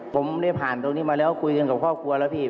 ผมได้ผ่านตรงนี้มาแล้วคุยกันกับครอบครัวแล้วพี่